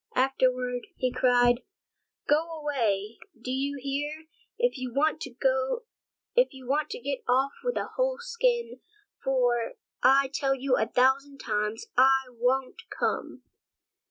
Afterward he cried: "Go away, do you hear, if you want to get off with a whole skin, for I tell you a thousand times I won't come."